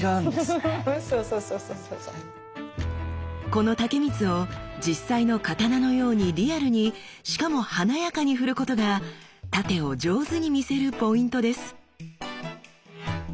この竹光を実際の刀のようにリアルにしかも華やかに振ることが殺陣を上手に見せるポイントです。